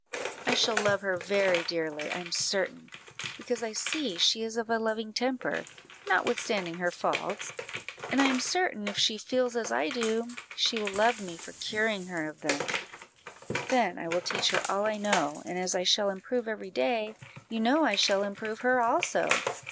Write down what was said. I shall love her very dearly, I am certain, because I see she is of a loving temper, notwithstanding her faults; and I am certain, if she feels as I do, she will love me for curing her of them; then I will teach her all I know, and as I shall improve every day, you know I shall improve her also!